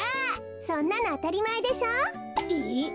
そんなのあたりまえでしょ？え？